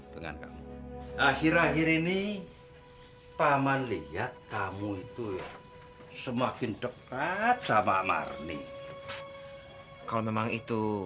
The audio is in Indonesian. dengan kamu akhir akhir ini paman lihat kamu itu ya semakin dekat sama marni kalau memang itu